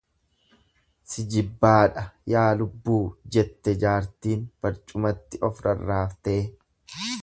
"""Si jibbaadha yaa lubbuu"" jette jaartiin barcumatti of rarraaftee."